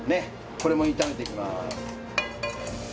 これも炒めていきます。